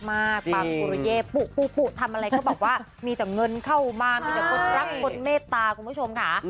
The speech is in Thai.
ปังปุริเย่ปุ๊ทำอะไรก็บอกว่ามีแต่เงินเข้ามามีแต่คนรักคนเมตตาคุณผู้ชมค่ะ